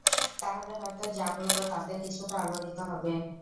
তাহলে হয়তো যা বলব তাতে কিছুটা আলোড়িত হবে।